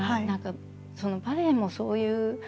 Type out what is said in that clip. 何かバレエもそういう。